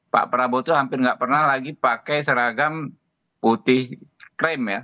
pak prabowo itu hampir nggak pernah lagi pakai seragam putih krim ya